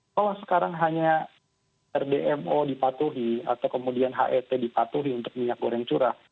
kalau sekarang hanya rdmo dipatuhi atau kemudian het dipatuhi untuk minyak goreng curah